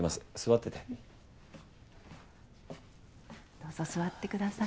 どうぞ座ってください。